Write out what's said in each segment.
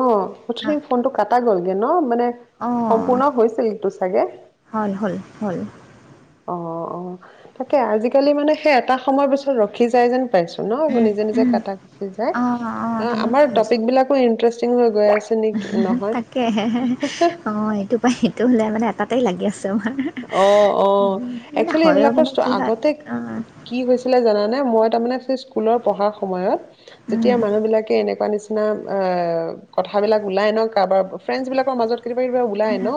অ মুঠতে আহ ফোনটো কটা গল। গনো মানে সম্পূৰ্ণ অ' হৈছিল তু চাগে হ'ল হ'ল হ'ল অ অ তাকে আজিকালি মানে সেই এটা সময়ৰ পিছত ৰখি যায় যেন। চলিব উম নিজে নিজে উম কাতা যায় অ' এ অ' আমাৰ তেনেকুৱাই হৈছে তপন বোলাটো ইণ্টাৰেষ্ট হৈ গৈ তাকে অ এইটো পাই সটো হ'লে মান এতে লাগি আছে আমাৰ অ অ উম, মানে একচুৱেলি হয়ও এইবিলাকৰ মানে কি হয় আগতে অ' কি হৈছিলে জানানে। মই তাৰমানে স্কুলৰ পঢ়াৰ সময়ত। উম যেতিয়া মানুহ বিলাকে এনেক তাই নিচিনা অ কথাবিলাক ওলাই ন কাৰোবাৰ ফ্ৰেণ্ডছ বিলাকৰ মাজত কেতিয়াবা কিবা ওলাই উম ন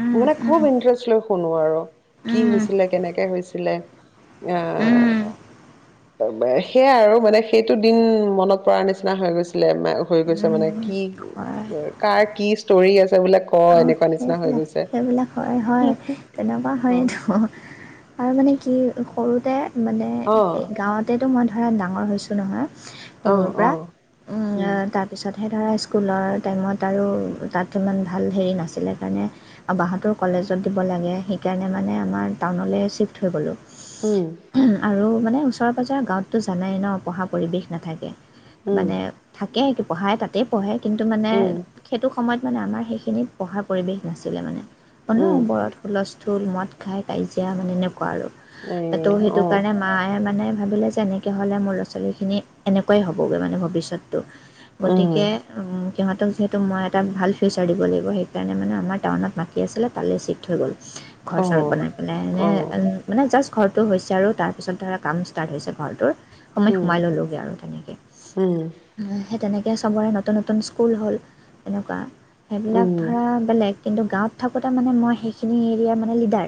উম মানে উম খুব ইন্টাৰেষ্ট লৈ। শুনো আৰু কি উম হৈছিলে কেনেকে হৈছিলে আহ সেয়াই আৰু মানে সেইটো দিন মনত পৰা নিচিনা হৈ গৈছিলে হৈ গৈছে উম মানে উম কি হয় কাৰ কি ষ্টৰি আছে বোলে ক অ' এনেক। সেইবিলাক সেইবিলাক হয় হয় তেনেকুৱা অ', হয়তো আৰু মানে কি। সৰুতে মানে সেই অ', গাঁৱতেতো মই ভাল ডাঙৰ হৈছোঁ নহয় অ', সৰুৰ পৰা অ'। উম অ তাৰপিছতহে তাৰ স্কুলৰ টাইমত আৰু তাত ইমান ভাল হেৰি নাছিলে সেইকাৰণে আও বাহঁতৰ কলেজত দিব লাগে সেইকাৰণে মানে আমাৰ টাউনলৈ ছিফ্ট হৈ গ'লোঁ উমহম আৰু মানে ওচৰ পাঁজৰ গাঁৱতটো জানাই ন পঢ়া পৰিৱেশ নাথাকে মানে থাকে কে পঢ়াই তাতে পঢ়ে কিন্তু মানে সেইটো সময়ত মানে আমাৰ সেইখিনিত পঢ়া পৰিৱেশ নাছিলে মানে অনবৰত হুলচ ঢোল মদ খাই কাজিয়া মানে এনে কোৱা আৰু সেইটো সেইটো কাৰণে মায়ে মানে ভাবিলে যে এনেকেই হ'লে মোৰ ল'ৰা ছোৱালীখিনি এনেকুৱাই হ'বগৈ মানে ভৱিষ্যত [unintelligible] গতিকে উম সিঁহতক যিহেতু মই এটা ভাল ফিউচাৰ দিব লাগিব সেই সেইকাৰণে মানে আমাৰ টাউনত মাটি আছিলে তালৈ চিফট হৈ গ'ল ঘৰ চৰ বনাই পেলাই মানে মানে জাষ্ট ঘৰটো হৈছে আৰু তাৰপিছত ধৰা কাম ষ্টাৰ্ট হৈছে ঘৰটো সময়ত সোমাই ললোগে আৰু তেনেকে সেই তেনে এতিয়া চবৰে নতুন নতুন স্কুল হ'ল এনেকুৱা সেইবিলাক ধৰা বেলেগ কিন্তু গাঁৱত থাকোঁতে মানে মই সেইখিনি এৰিয়া মানে লিডাৰ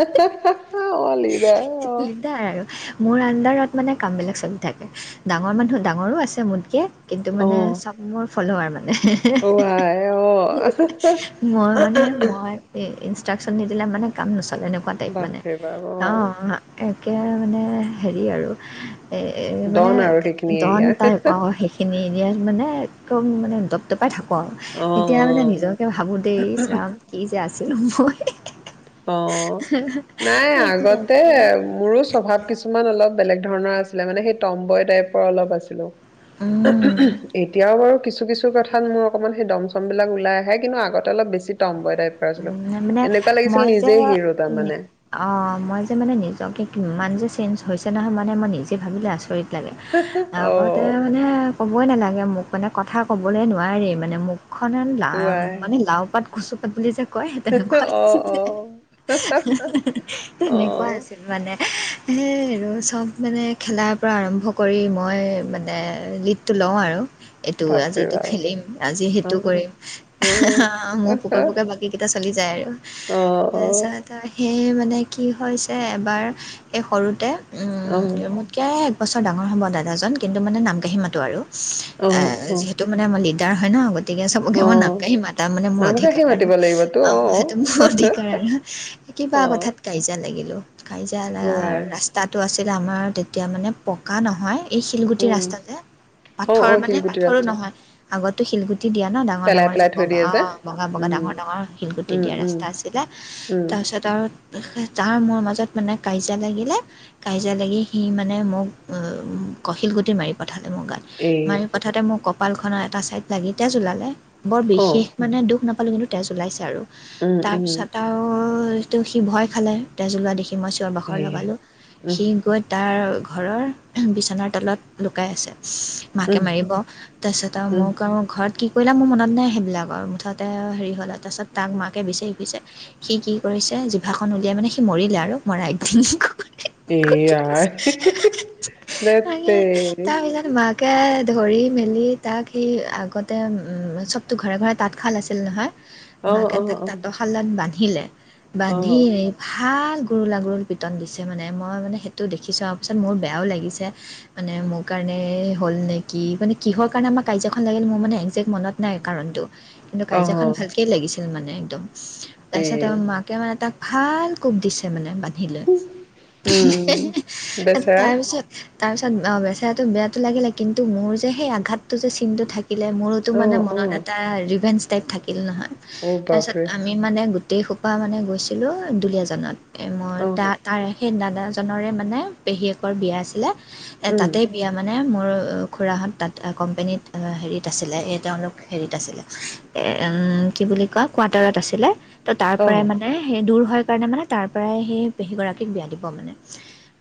অ লিডাৰ অ লিডাৰ আৰু মোৰ আণ্ডাৰত মানে কামবিলাক চলি থাকে ডাঙৰ মানুহ ডাঙৰো আছে মোতকে কিন্তু মানে চব মোৰ [unintelligible] ম [unintelligible] অ [unintelligible] ইনষ্ট্ৰাকশন নিদিলে মানে কাম নচ এনেকুৱা টাইপ মানে বাপৰে বাপ অ এ একেবাৰে মানে হেৰি আৰু এ মানে ডন আৰু সেইখিনি ডন এৰিয়াৰ টাইপ অ সেইখিনি এৰিয়াত মানে একদম মানে দপদপাই থাকোঁ আৰু অ অ এতিয়া মানে নিজকে ভাবো দেই ইচ ৰাম কি যে আছে ছিলো মই অ নাই এ কি আগতে আছিলোঁ মোৰো স্বভাৱ কিছুমান অলপ বেলেগ ধৰণৰ আছিলে মানে সেই টম্বই টাইপৰ অলপ আছিলো। ওহ উম, হু ওহ এতিয়াও বাৰু কিছু কিছু কিছু কথা মোৰ অণমান সেই ডন চম বিলাক ওলাই আহে কিন্তু আগতে অলপ বেছি ডম হয় তাইপৰ আছিলো উম, মানে এনেকোৱা লাগিছিল মই যে নিজেই হিৰো তাৰমানে অ মই যে মানে নিজকে কিমান যে চেঞ্জ হৈছে নহয় মানে মই নিজে ভাবিলে আচৰিত লাগে অ আগতে মানে ক'বই নালাগে মোক মানে কথা ক'বলৈ নোৱাৰেই মানে মোক খনে লা ৱাই মানে লাও পাত কচুপাত আপুনি যে কয় তেনেকুৱা অ আছিল অ অ তেনেকোৱা আছিল মানে সেয়াই আৰু চব মানে খেলাৰ পৰা আৰম্ভ কৰি মই মানে লীডটো লওঁ আৰু এইটো বাপৰে আজিটো বাপ খেলিম আজি অ সেইটো কৰিম অ অ হা হা অ মোক পকপককে বাকী কেইটা চলি যায় আৰু তাৰপিছত আৰু সেই এই মানে কি হৈছে এবাৰ এই সৰুতে অ উম বছৰ ডাঙৰ হ'ব দাদাজন কিন্তু মানে নাম কাঢি মাতো আৰু অ যিহেতু মানে আমাৰ হয় ন আগত তেতিয়া চবকে অ মোৰ নাম কাঢি মাতা মানে মোৰ নামকাষি অধিকাৰ মাতিব লাগিবতো অ সেইটো মোক অধিকাৰ আৰু কিবা অ কথাত কাজিয়া লাগি গিলো কাজিয়া লগা ৱাই ৰাস্তাটো আছে আছিলে আমাৰ তেতিয়া মানে পকা নহয় এই শিলগুটি উম ৰাস্তা যে অ অ পাথৰ মানে শিলগুটি পাথৰো ৰাস্তা নহয় আগতো শিলগুটি দিয়া ন ডাঙৰ পেলাই ডাঙৰ পেলাই থৈ বগা দিয়ে অ যে বগা বগা বা' উম ডাঙৰ-ডাঙৰ শিলগুটি উম দিয়া উম ৰাস্তা আছিলে। উম তাৰপিছত আৰু যাৰ মোৰ মাজত মানে কাজিয়া লাগিলে, কাজিয়া লাগি সি মানে মোক শিল গুটি মাৰি পথাই। মোৰ গাত, মাৰি পথাওঁতে মোক কপা কপাল খনৰ এটা চাইড লাগি তেজ ওলালে, বৰ' বিশেষ মানে দুখ নাপ পালোঁ কিন্তু তেজ ওলাইছে আৰু। তাৰপিছত আৰু তো সি ভয় খালে তেজোলা দেখি চিয়ৰ-বাখৰ লগালোঁ। সি গৈ তাৰ ঘৰৰ বিচনাৰ তলত লুকাই আছে। মাকে মাৰিব, তাৰপিছত আৰু মোক আৰু ঘৰত কি? সেইবিলাক মোৰ মনত নাই সেইবিলাক আৰু মুঠত তে, হেৰি হ'ল আৰু তাৰ পািছত তাক মাকে বিচাৰি ফুৰিছে। সি কি কৰিছে জিভাখন উলিয়াই মানে সি মৰিলে আৰু মৰা একতিং এয় আই ধেৎ তেৰি। তাৰপিছত মাকে ধৰি মেলি তাক সি আগতে চবতো ঘৰে-ঘৰে তাত খাল আছিল নহয়। মাকে তাক তাঁতৰশালত বান্ধি লে। বান্ধি ভাল, গুৰুলা-গুৰুল পিটন দিছে মানে মই মানে সেইটো দেখিছো আৰু পিছত মোৰ বেয়াও লাগিছে, মানে মোৰ কাৰণে হ'ল নে কি মানে কিহৰ কাৰণে আমাৰ কাজিখন লাগিল মোৰ মানে একজেক্ট মনত নাই কাৰণটো। কিন্তু কাজিয়াখন ভালকে লাগি ছিল মানে একদম। তাৰছতে মাকে মানে ত ভাল কুৱ দিছে, মানে বান্ধি লৈ বেচেৰা। তাৰপিছত তাৰ পিছত বেচেৰাটো বেয়াটো লাগিলে কিন্তু মোৰ যে সেই আঘাতটো যে চিনটো থাকি লাগিলে মোৰতো মানে অ', মনত অ', এটা হেৰী টাইপ থাকিল নহয়। অ', তাৰ পিছত, বাপৰে, আমি মানে গ গটেইসোপা মানে গৈছিলোঁ, দুলীয়াজানাত। মোৰ অ', তাৰে সেই দাদা জনৰে মানে পেহীয়েকৰ বিয়া আছিলে। এ উম, তাতে বিয়া মানে মোৰ অ খুৰাহঁত তাত এ কোম্পানীত হেৰিত আছিলে এই তেওঁলোক হেৰিত আছিলে এ উম কি বুলি কয় কোৱাৰ্টাৰত আছিলে ত তাৰ পৰাই অ', মানে সেই দূৰ হয় কাৰণে মানে তাৰ পৰাই সেই পেহীগৰাকীক বিয়া দিব মানে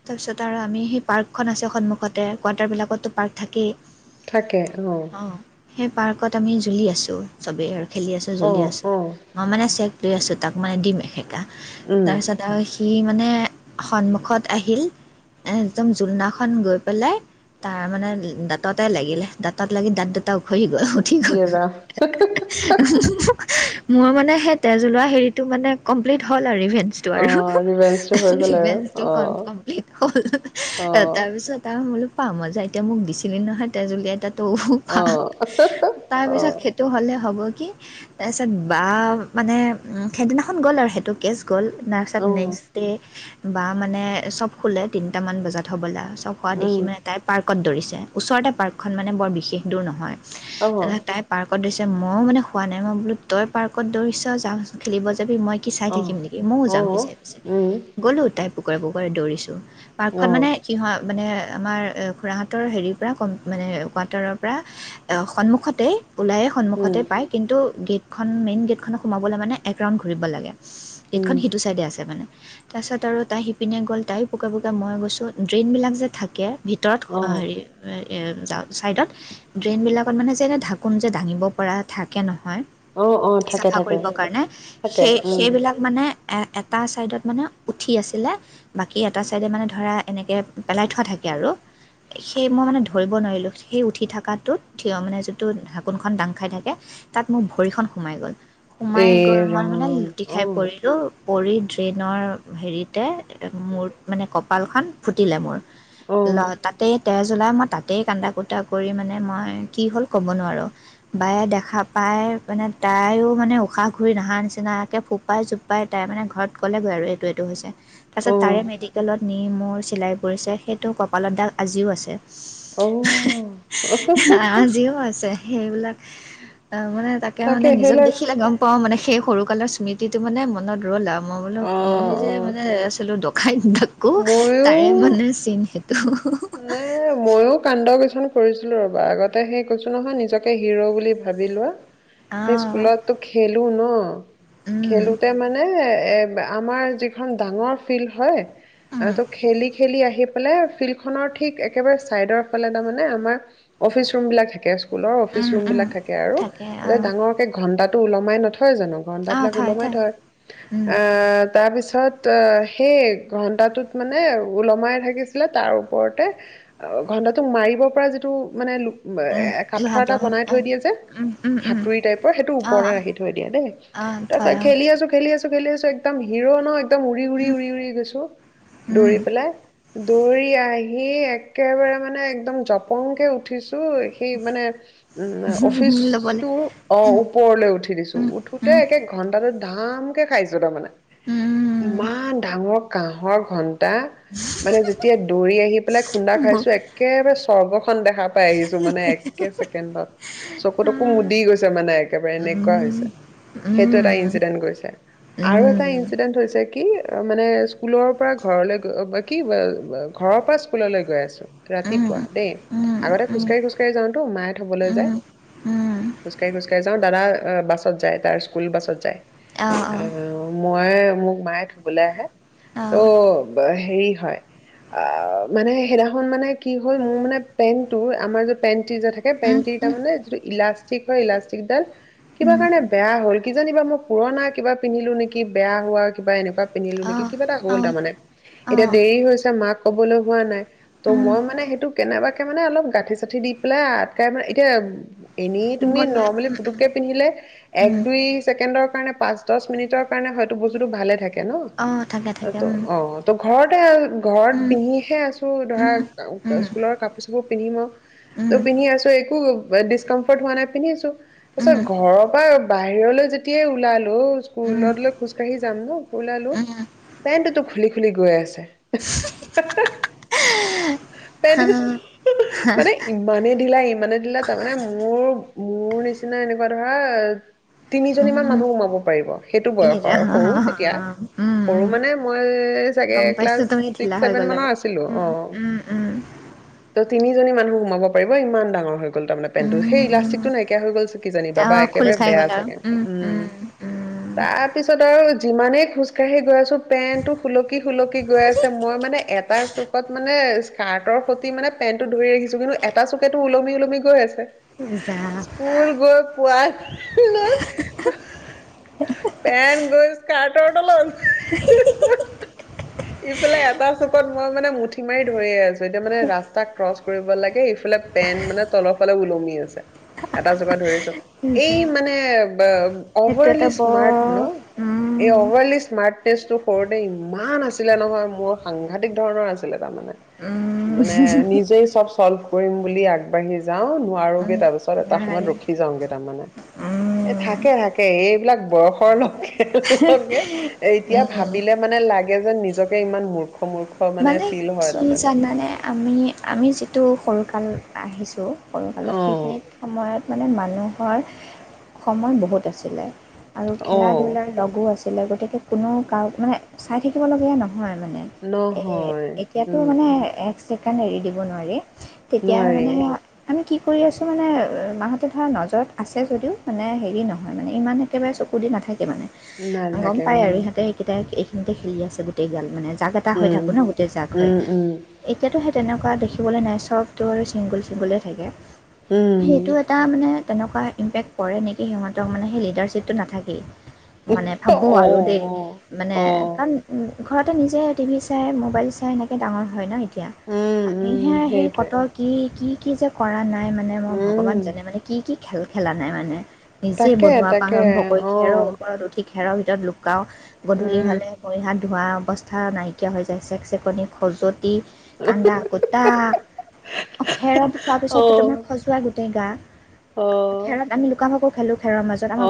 তাৰপিছত আৰু আমি সেই পাৰ্কখন আছে সন্মুখতে কোৱাৰ্টাৰবিলাকততো পাৰ্ক থাকেই থাকে অহ অঁ সেই পাৰ্কত আমি জুলি আছোঁ চবে খেলি আছোঁ জুলি অ', আছোঁ অ', মই মানে চেক লৈ আছোঁ তাক মানে দিম এসেকা উম, তাৰ পিছত আৰু সি মানে সন্মুখত আহিল এ একদম জোলনাখন গৈ পেলাই তাৰ মানে দাঁততে লাগিলে দাঁতত লাগি দাঁত দুটা উভহি গ সঠিক হু ইয়েৰা, মোৰ মানে সেই তেজ ওলোৱা হেৰিত মানে কমপ্লিট হ'ল আৰু ইভে ইনস্তৰ আৰু অ', ৰিভেঞ্জটো হৈ গ'ল আৰু, ইনভেঞ্চটো কম অ', কমপ্লিট হল তা অ', তাপাছত আৰু পা মজা এতিয়া মোক দিছিলি নহয় তেজ ওলিয়া ত তও পা অ', তাৰ পিছত অ', খেতি হব কি তা পিছত বা মানে উম সেইদিনাখন গ'ল আৰু সেইটো কেচ গল তা পাছত অ', নেস্ক উম, দে বা মানে চব শুলে তিনিটামান বজাত হ'বলা চব শুৱা দেখি মানে তাই পাৰ্কত দৰিছে যে ওচৰতে পাৰ্কখন মানে বৰ বিশেষ দূৰ নহয় অ'। এনে তাই পাৰ্ক তাপাছত মই মানে শুৱা নাই মই বোলো তই পাৰ্কত দৌৰিছ যাম খেলিব যাবি মই কি চাই অ', থাকিম নেকি মইয়ো যাম অ', পিছে পিছে উম, গলো তাই বু কুকুৰাই কুকুৰাই দৌৰিছোঁ পাৰ্কখন অ', মানে কি হয় মানে আমাৰ খোৰাহঁতৰ হেৰিৰ পৰা কম মানে কুৱাটাৰৰ পৰা সন্মুখতেই ওলায়ে সন্মুখতে উম, পায় কিন্তু গেট এ মেইন গেটখনত সোমাবলৈ মানে এক ৰাউণ্ড ঘূৰিব লাগে গেটখন উম, সিটো চাইডে আছে মানে তাৰপিছত আৰু তাই সিপিনে গ'ল তাইো বোকা বোকা মই গৈছোঁ ড্ৰেইনবিলাক যে থাকে ভিতৰত অ', হেৰি চাইনত বিলাকত মানে কোন যে দাঙিব পৰা থাকে ন অ', অ', থাকে, চাফা থাকে, কৰিব কাৰণে থাকে, সেই উম, সেইবিলাক মানে এ-এটা চাইডত মানে উঠি আছিলে, বাকী এটা চাইডে মানে ধৰা এনেকে পেলাই থোৱা থাকে আৰু। সেই মই মানে ধৰিব নোৱাৰিলো, সেই উঠি থকাটোত থিয়মানে ঢাকোনখন দাং খাই থাকে, তাত মোৰ ভৰিখন সোমাই গ'ল। এ সোমাই গৈ মই মানে ৰাম লুটি খাই অ', পৰিলো। পৰি ড্ৰেইনৰ হেৰিতে, মোৰ মানে কপালখন ফুটিলে। মোৰ ল অ', তাতে তেজ জ্বলাই মই তাতেই কান্দা-কুটা কৰি মানে মই কি হ'ল! ক'ব নোৱাৰোঁ। বায়ে দেখা পাই মানে তায়ো মানে উশাহ ঘূৰি নহা নিচিনাকৈ ফোপাই-জোপাই তাই মানে ঘৰত ক'লেগৈ আৰু। এইটো এইটো হৈছে। তাৰপিছত অ', তাৰে মেডিকেল নি মোৰ চিলাই পৰিছে, সেইটো কপালত দাগ আজিও আছে। আজিও আছে অ'। সেইবিলাক অ' মানে তাকে মানে, নিজক দেখিলে গম পাওঁ মানে সেই সৰুকালৰ স্মৃতিটো মানে মনত ৰ'ল আৰু। মই বোলো, অ', এইযে অ', মানে আছিলো খাই ঢাকো, ময়ো তাৰে মানে চিন সেইটো নাই ময়ো কান্দ গৈছো কৰিছিলো ৰ'বা। আগতে সেই কৈছো নহয় নিজকে হিৰ' বুলি ভাবি লোৱা। অ সেই স্কুলতো খেলো ন? উম খেলোতে মানে এ আমাৰ যিখন ডাঙৰ ফিল্ড হয়, উম ত' খেলি-খেলি আহি পেলাই ফিল্ডখন ফিল্ডখনৰ ঠিক একেবাৰে চাইডৰ ফালে তাৰমানে, আমাৰ অফিচ ৰুমবিলাক থাকে স্কুল‌‌ৰ অফিচ‌ উম উম ৰুমবিলাক থাকে আৰু। তাতে ডাঙৰকে ঘন্টাত ওলমাই নথয় হয় জানো ঘন্টাবিলাক ওলমাই থয়। উম আ তাৰপিছত পাছত সেই ঘণ্টাটোত মানে ওলমাই থাকিছিলে, তাৰ ওপৰতে ঘন্টাটোক মাৰিব পৰা যিটো মানে উম কাঠৰ লোহাটো এটা বনাই অ অ থৈ দিয়ে যে, উম উম উম হাতুৰি টাইপৰ, সেইটো অ ওপৰতে ৰাখি থৈ দিয়ে দেই। অ অ থয় তাৰপিছত অ খেলি আছো, খেলি আছো খেলি আছো একদম হিৰো ন? একদম উৰি উৰি, উম উৰি উৰি গৈছো উম দৌৰি পেলাই। দৌৰি আহি সি একেবাৰে মানে একদম জপঙকে উঠিছো। এ সেই মানে, উম ল'বলে অফিচটোৰ, অ' ওপৰলৈ উঠি দিছো । উম উঠোঁতে উম একে ঘণ্টাটো ধামকৈ খাইছোঁ তাৰমানে। উম ইমান ডাঙৰ। কাঁহৰ ঘণ্টা মানে যেতিয়া দৌৰি আহি পেলাই খুন্দা মোৰ খাইছো একেবাৰে চওা দেখা পাই ম চকুতকু উম মুদি গৈছে মানে একেবাৰে এ উম উম সেইটো এটা ইিডে গ উম আৰু এটা ইিন্ কি ত মানে স্কুলৰ পৰা ঘৰলৈ কি ঘৰৰ পৰা স্কুললৈ গৈ আছোঁ উম ৰাতিপুৱা দেই উম আগতে খোজ কাঢ়ি খোজ কঢ়ি যাওতো মায়ে থবলৈ যায় উম উম খোজ কঢ়ি খোজ কঢ়ি যাও দাদা অঁ বাছত যায় তাৰ স্কুল বাছত যায় অ মই মোক মায়ে ধুবলৈ আহে অ' হেৰি হয় আহ মানে সেইদিনাখন মানে কি হ'ল মোৰ মানে পেন্টটো আমাৰ য পেন্ট থাকে উম পেণ্টি উম তাৰানে যটো ইলা ঠিক হয় ইলাষ্টিক ডাল কিবা উম কাৰণে বেয়া হল কিজানিব বাা মই পুৰণা কিবা পিন্ধিলো নেকি বেয়া হোৱা কিবা এনেকুৱা পিন্ধিলো অ নেকি কিবা এটা অ হ'ল তাৰ মানে অ এতিয়া দেৰি হৈছে মাক ক'বলৈ হোৱা নাই ত উম মই মানে সেইটো কেনেবা মানে অলপ গাঁঠি চাঠি দি পেলাই আটকাই মানে এতিয়া এনেই তুমি গ'লে নৰ্মেলি উম পুটুককে পিন্ধিলে এক উম দুই ছেকেণ্ডৰ ণে পাঁচ দহ মিনিটৰ কাৰণে হয়টো বস্তুটো ভালে থাকে ক ন অ থাকে থাকে উম অ ঘৰতে ঘৰত উম পিন্ধি সে আছো এ ধৰা স্কুলৰ কাপোৰ চাপোৰ আনি মই ত' পিন্ধি আছো একো ডিছকম্ফৰ্ট হোৱাাই পি ন আছো তাৰ পিছত ঘৰৰ পৰা বাহিৰলৈ যেতিয়াই ওলালো স্কুলতৈ খোজকাঢ়ি যাম ন ওলো পে খ খুলি গৈ আছে [unintelligible] পেণ্ মানে ইমানে ধিলা ইমানে ধিলা তাৰমানে মোৰ মোৰ নিছনা এনেকুৱা ধৰা তিনি জনী মান মানুহ সোমাব পাৰিব। সেইটো বয়সৰ ৰাম সৰু তেতিয়া, উম সৰু উম মানে মই চাগে গম পাইছো তুমি ক্লাছিক্স ঢিলা হৈ চছেভেন গ'ল আৰু মানৰ আছিলো উম অ। উম উম ত তিনিজনী মানুহ সোমাব পাৰিব ইমান ডাঙৰ হয়। গল তাৰমানে পেণ্টটো সেই উম ইলাষ্টিক টো নাইকিয়া হৈ গলছে কি জানি বা বা আহ খোল একেবাৰে খাই বেয়া গ'ল আৰু চাগে। উম উম তাৰ পিছত আৰু যিমানেই খোজকাঢ়ি গৈ আছোঁ পেনটটো সুলকি সুলকি গৈ আছে মই মানে এ তাৰ চোকত মানে কাৰ্টৰ সৈটি মানে পেনটো ধৰি ৰাখিছো কিন্তু এটা চুকেটো ওলমি ওলমি গৈ আছে। যা স্কুল গৈ পুৱা লৈ পেন্ট গৈ স্কাৰ্ট তৰ তলত। [unintelligible] ইফালে এটা চুকত মই মানে মুঠি মাৰি ধৰি আছোঁ। এতি মানে ৰাস্তা ক্ৰচ কৰিব লাগে ইফালে পেন মানে, তলৰ ফালে ওলমি আছে এটা জগা ধৰিছো যা এই মানে সেইটো এটা অভাৰলি বৰ স্মাৰ্ট ন, এই উম অভাৰলি স্মাৰ্ট টেটো সৰুতে ইমান আছিলে নহয় মোৰ সাংঘাতিক ধৰণৰ আছিলে তাৰমানে। উম। মানে নিজেই চব চল্ভ কৰিম বুলি আগবাঢ়ি যাও নোৱাৰোগে উম তাৰপিছত এটা সময়ত ৰখি যাওঁগে তাৰমানমানে। এই থাকে থাকে এইবিলাক বয়সৰ ন [unintelligible] এতিয়া উম উম ভাবিলে মানে লাগে যে নিজকে ইমান মূৰ্খ। মূৰ্খ মানে ফিল হয় কি তাৰমানে জানানে? আমি, আমি যিটো সৰুকাল আহিছোঁ সৰুকালত, অ' সেইখিনি সময়ত মানে মানুহ হয় সময় বহুত আছিলে আৰু খেলা অ' ধূলাৰ লগো আছিলে গতিক সেই কোনো কাৰ মানে চাই থাকিবলগীয়া নহয় মানে। এ নহয় এতিয়াতো উম মানে এক ছেকেণ্ড এৰি দিব নোৱাৰি তেতিয়া নোৱাৰি মানে আমি কি কৰি আছো মানে মা হতে ধৰা নজৰত আছে যদিও মানে হেৰি নহয় মানে ইমান একেবাৰে চকু দি নাথাকে । মানে গম নালাগে পায় উম আৰু ইিহঁতে সেইকেই টা এনেকে খেলি আছে গোটেই গাল মানে টা হৈ উম থাকো ন গোটেই জাক হয় উম উম এতিয়াতো সেই । তেনেকুৱা দেখিবলৈ নাই চবটো আৰু ছিংগুল চিংগুল থাকে উম সেইটো এটা মানে তেনেকুৱা ইম্পেক্ পৰে নেকি সিহঁতৰ মানেই লিডাৰশ্বিপটো নাথাকেই মানে অ' ভাবো আৰু দেই অ' মানে অ' কাৰণ উ ঘৰতে নিজে টিভি চাই মোবাইল চাই সনেকৈ ডাঙৰ হয় ন এতিয়া এতিয়া উম উম আমিহে সেই সেইটোৱে কটৰ কি কি কি যে কৰা নাই নাই মানে মই উম ভগৱান জানে মানে কি কি খেল খেলা নাই মানে নিজে তাকে বনোৱাৰ পৰা তাকে আৰম্ভ কৰি খেৰ অ' ওপৰত উঠি খেৰ ভিতৰত লুকাই কাও গধূলি উম হ'লে ভৰি হাত ধোৱা অৱস্থা নাই কিয়া হৈ যায় চেকচেকনি খযুৱতী কান্দা কোটা অ খেৰৰত থোৱা পিছত অ' তোমাৰ খজোৱা গুতা তে গা অ' খেৰত আমি লুকা ভাকু খেলো খেৰ মাজত আমাৰ । অ'